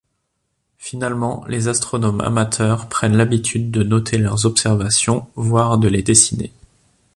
Finalement, les astronomes amateurs prennent l'habitude de noter leurs observations, voire de les dessiner.